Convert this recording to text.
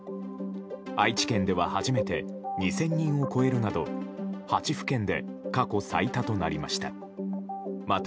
愛知県では初めて２０００人を超えるなど８府県で過去最多となりました。